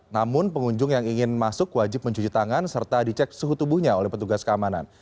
namun pengunjung yang ingin masuk wajib mencuci tangan serta dicek suhu tubuhnya oleh petugas keamanan